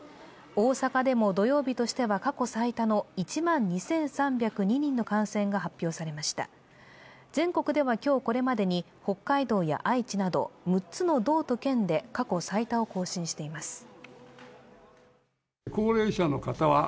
大阪でも土曜日としては過去最多の１万２３０２人の感染が発表されました全国では今日これまでに北海道や愛知など６つの道と県で過去最多を更新しています。